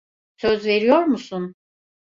Söz veriyor musun?